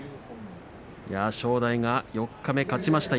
正代が四日目勝ちました。